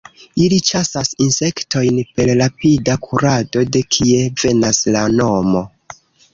Ili ĉasas insektojn per rapida kurado de kie venas la nomo.